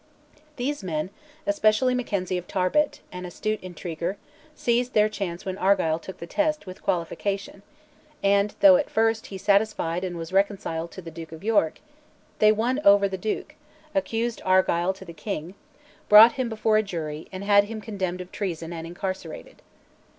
These men, especially Mackenzie of Tarbet, an astute intriguer, seized their chance when Argyll took the Test "with a qualification," and though, at first, he satisfied and was reconciled to the Duke of York, they won over the Duke, accused Argyll to the king, brought him before a jury, and had him condemned of treason and incarcerated.